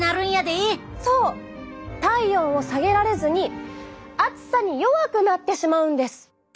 そう体温を下げられずに暑さに弱くなってしまうんです。